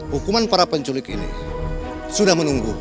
hukuman para penculik ini sudah menunggu